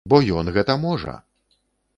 Бо ён гэта можа!